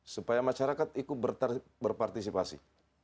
supaya masyarakat ikut berpartisipasi